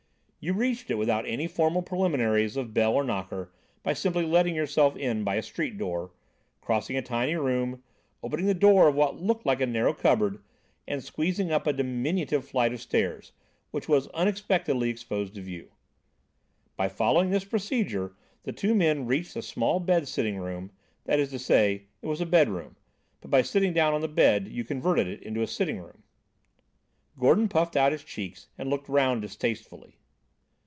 You reached it without any formal preliminaries of bell or knocker by simply letting yourself in by a street door, crossing a tiny room, opening the door of what looked like a narrow cupboard, and squeezing up a diminutive flight of stairs, which was unexpectedly exposed to view. By following this procedure, the two men reached a small bed sitting room; that is to say, it was a bed room, but by sitting down on the bed, you converted it into a sitting room. Gordon puffed out his cheeks and looked round distastefully.